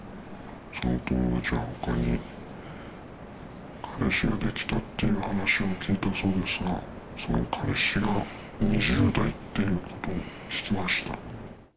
その友達はほかに、彼氏ができたっていう話を聞いたそうですが、その彼氏が２０代ということを聞きました。